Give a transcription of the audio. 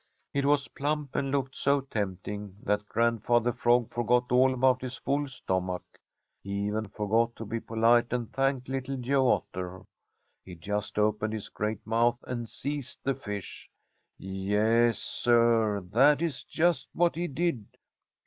It was plump and looked so tempting that Grandfather Frog forgot all about his full stomach. He even forgot to be polite and thank Little Joe Otter. He just opened his great mouth and seized the fish. Yes, Sir, that is just what he did.